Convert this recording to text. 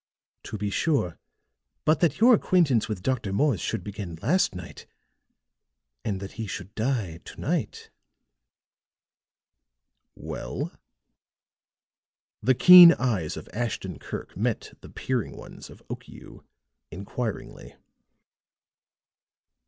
"To be sure. But that your acquaintance with Dr. Morse should begin last night, and that he should die to night " "Well?" The keen eyes of Ashton Kirk met the peering ones of Okiu inquiringly.